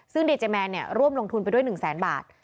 ซึ่งดีเจแมนร่วมลงทุนไปด้วย๑แสนบาท